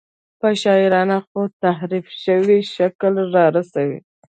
په شاعرانه خو تحریف شوي شکل رارسوي.